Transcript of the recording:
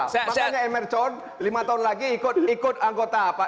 makanya emerson lima tahun lagi ikut anggota apa